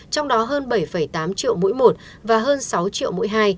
trong đó hơn bảy tám triệu mũi một và hơn sáu triệu mũi hai